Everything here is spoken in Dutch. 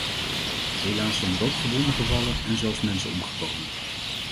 Helaas zijn er ook gewonden gevallen en zelfs mensen omgekomen.